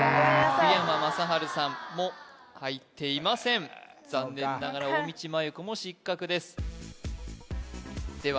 福山雅治さんも入っていません残念ながら大道麻優子も失格ですでは